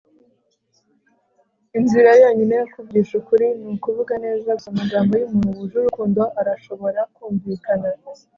inzira yonyine yo kuvugisha ukuri nukuvuga neza. gusa amagambo y'umuntu wuje urukundo arashobora kumvikana